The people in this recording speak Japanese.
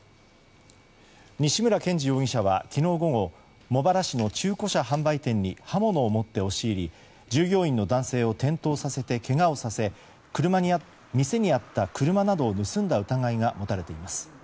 西村健治容疑者は昨日午後茂原市の中古車販売店に刃物を持って押し入り従業員の男性を転倒させてけがをさせ店にあった車などを盗んだ疑いが持たれています。